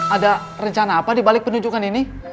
ada rencana apa dibalik penunjukan ini